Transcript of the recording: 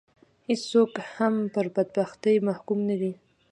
هېڅوک هم پر بدبختي محکوم نه دي